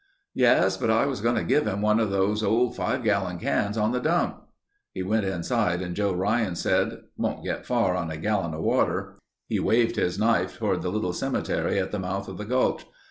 "Yes. But I was going to give him one of those old five gallon cans on the dump." He went inside and Joe Ryan said, "Won't get far on a gallon of water." He waved his knife toward the little cemetery at the mouth of the gulch.